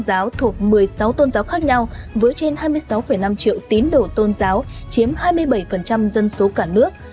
tôn giáo thuộc một mươi sáu tôn giáo khác nhau với trên hai mươi sáu năm triệu tín đồ tôn giáo chiếm hai mươi bảy dân số cả nước